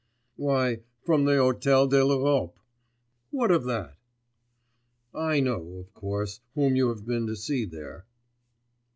'Why, from the Hôtel de l'Europe. What of that?' 'I know, of course, whom you have been to see there.